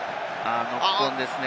ノックオンですね。